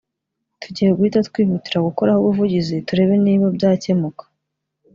tugiye guhita twihutira gukoraho ubuvugizi turebe niba byakemuka